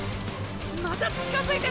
また近づいてる！！